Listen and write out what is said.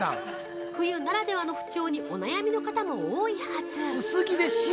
冬ならではの不調にお悩みの方も多いはず。